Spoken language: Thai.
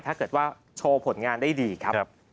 ถ้าเกิดว่าโชว์ผลงานได้ดีครับ